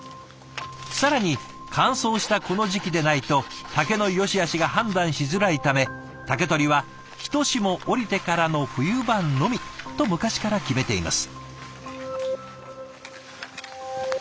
更に乾燥したこの時期でないと竹のよしあしが判断しづらいため竹取りはひと霜降りてからの冬場のみと昔から決めています。